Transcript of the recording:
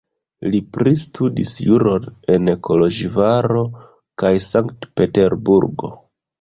Li pristudis juron en Koloĵvaro kaj Sankt-Peterburgo.